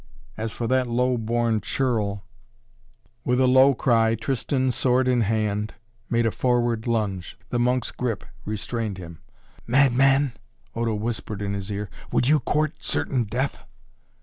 As for that low born churl " With a low cry Tristan, sword in hand, made a forward lunge. The monk's grip restrained him. "Madman!" Odo whispered in his ear. "Would you court certain death?"